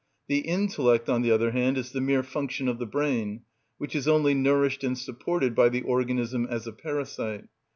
The intellect, on the other hand, is the mere function of the brain, which is only nourished and supported by the organism as a parasite.